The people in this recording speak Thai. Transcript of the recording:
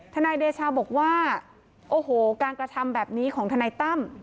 นายเดชาบอกว่าโอ้โหการกระทำแบบนี้ของทนายตั้ม